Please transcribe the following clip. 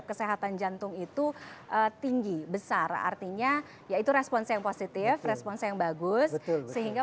kesehatan jantung itu tinggi besar artinya yaitu respons yang positif respons yang bagus sehingga